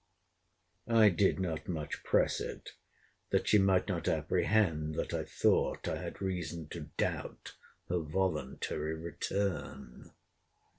I did not much press it, that she might not apprehend that I thought I had reason to doubt her voluntary return.